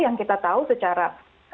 yang kita tahu secara